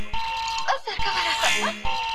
غم او خوشحالي شريکه ده.